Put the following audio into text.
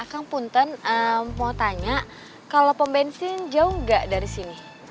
akang punten mau tanya kalo pembensin jauh nggak dari sini